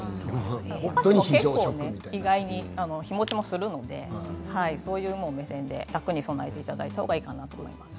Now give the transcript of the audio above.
お菓子も意外に日もちするのでそういう目線で楽に備えていただいたらなと思います。